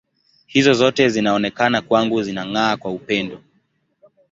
Hizo zote zinaonekana kwangu zinang’aa kwa upendo.